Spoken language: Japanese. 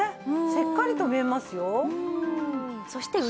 しっかりと見えますよ。